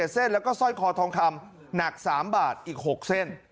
เส้นแล้วก็สร้อยคอทองคำหนัก๓บาทอีก๖เส้น